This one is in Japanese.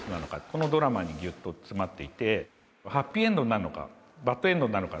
このドラマにぎゅっと詰まっていてハッピーエンドになるのかバッドエンドになるのか